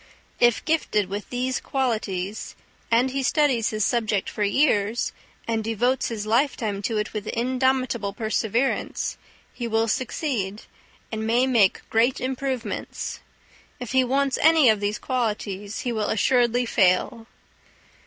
If gifted with these qualities, and he studies his subject for years, and devotes his lifetime to it with indomitable perseverance, he will succeed, and may make great improvements; if he wants any of these qualities, he will assuredly fail.